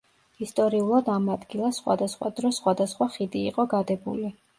ისტორიულად ამ ადგილას სხვადასხვა დროს სხვადასხვა ხიდი იყო გადებული.